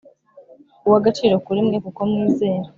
uw agaciro kuri mwe kuko mwizera